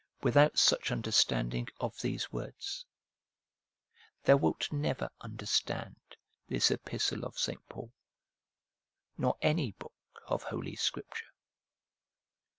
Without such understanding of these words, thou wilt never understand this epistle of St. Paul, nor any book of holy Scripture.